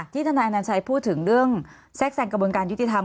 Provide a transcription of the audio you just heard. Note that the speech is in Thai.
ทนายอนัญชัยพูดถึงเรื่องแทรกแทรงกระบวนการยุติธรรม